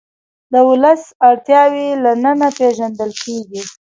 د ولس اړتیاوې له ننه پېژندل کېږي.